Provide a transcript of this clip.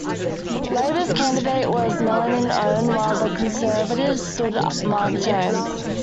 Labour's candidate was Melanie Onn, while the Conservatives stood Marc Jones.